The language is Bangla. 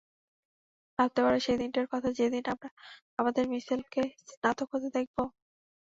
ভাবতে পারো সেই দিনটার কথা যেদিন আমরা আমাদের মিশেলকে স্নাতক হতে দেখবো?